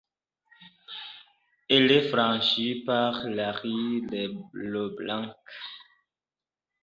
Elle est franchie par la rue Leblanc.